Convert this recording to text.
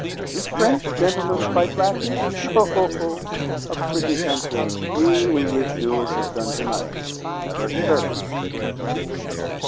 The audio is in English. "Do French gentlemen fight lackeys? Ho, ho, ho! A pretty country! We English do as was done to night, have our servants beat them."